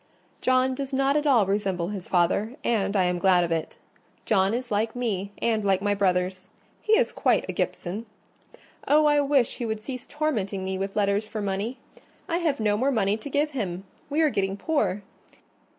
John does not at all resemble his father, and I am glad of it: John is like me and like my brothers—he is quite a Gibson. Oh, I wish he would cease tormenting me with letters for money! I have no more money to give him: we are getting poor.